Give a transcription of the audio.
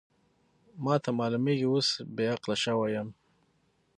ما ته معلومېږي اوس بې عقله شوې یم.